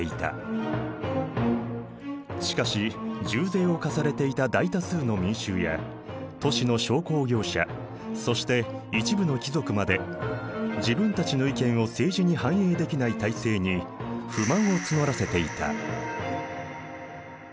しかし重税を課されていた大多数の民衆や都市の商工業者そして一部の貴族まで自分たちの意見を政治に反映できない体制に不満を募らせていた。